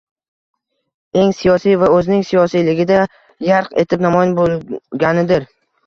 eng siyosiysi va o‘zining siyosiyligida yarq etib namoyon bo‘lganidir